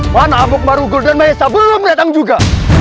mana abuk maru golden nama esa belum datang juga